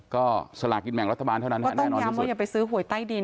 ก็สลากินแบ่งรัฐบาลเท่านั้นแน่นอนเพราะว่าอย่าไปซื้อหวยใต้ดิน